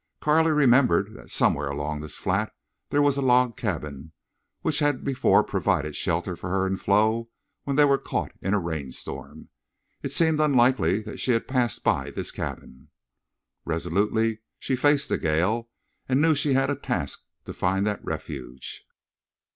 Carley remembered that somewhere along this flat there was a log cabin which had before provided shelter for her and Flo when they were caught in a rainstorm. It seemed unlikely that she had passed by this cabin. Resolutely she faced the gale and knew she had a task to find that refuge.